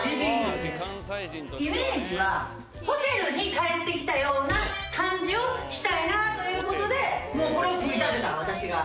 イメージはホテルに帰ってきたような感じをしたいなということでもうこれを組み立てた私が。